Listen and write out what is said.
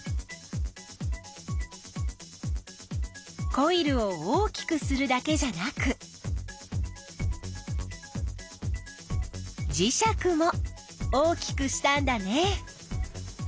コイルを大きくするだけじゃなく磁石も大きくしたんだね。